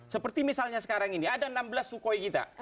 seperti misalnya sekarang ini ada enam belas sukhoi kita